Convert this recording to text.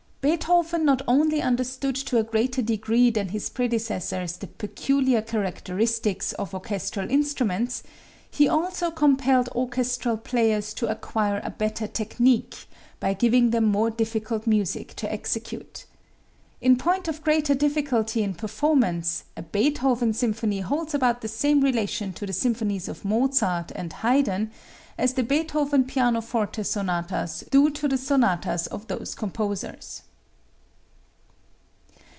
Beethoven not only understood to a greater degree than his predecessors the peculiar characteristics of orchestral instruments, he also compelled orchestral players to acquire a better technique by giving them more difficult music to execute. In point of greater difficulty in performance, a Beethoven symphony holds about the same relation to the symphonies of Mozart and Haydn as the Beethoven pianoforte sonatas do to the sonatas of those composers.